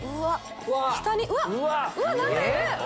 下にうわっ何かいる！